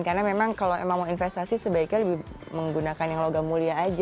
karena memang kalau emang mau investasi sebaiknya lebih menggunakan yang logam mulia aja